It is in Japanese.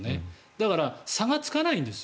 だから、差がつかないんです。